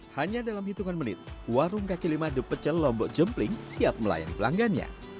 hanya dalam hitungan menit warung kaki lima the pecel lombok jempling siap melayani pelanggannya